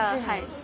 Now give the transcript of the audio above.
はい。